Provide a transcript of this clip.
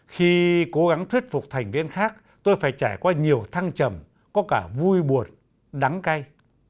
khi cố gắng thuyết phục thành viên khác tôi phải trải qua nhiều thăng trầm có cả vui buồn đắng cay